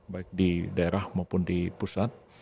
baik di daerah maupun di pusat